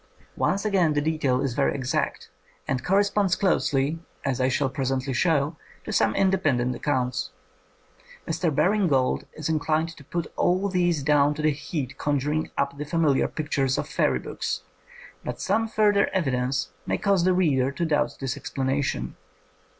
Once again the detail is very exact 130 INDEPENDENT EVIDENCE FOR FAIRIES and corresponds closely, as I shall presently show, to some independent accounts. Mr. Baring Gould is inclined to put all these down to the heat conjuring up the familiar pictures of fairy books, but some further evi dence may cause the reader to doubt this explanation.